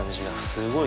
すごい。